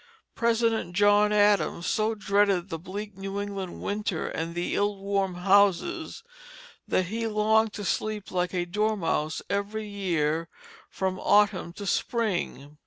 President John Adams so dreaded the bleak New England winter and the ill warmed houses that he longed to sleep like a dormouse every year, from autumn to spring.